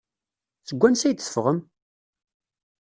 Seg wansi ay d-teffɣem?